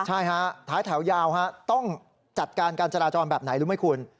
ใช่ฮะท้ายแถวยาวต้องจัดการการจราจรแบบไหนรู้ไหมคุณ